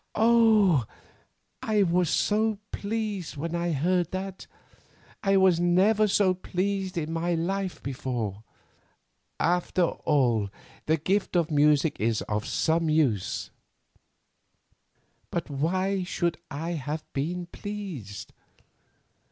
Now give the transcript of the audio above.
Oh! I was pleased when I heard that. I was never so pleased in my life before. After all, the gift of music is of some use. "But why should I have been pleased?